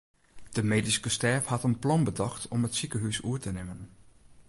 De medyske stêf hat in plan betocht om it sikehús oer te nimmen.